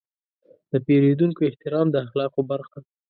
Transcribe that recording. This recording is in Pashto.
د پیرودونکو احترام د اخلاقو برخه ده.